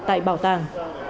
tại bảo tàng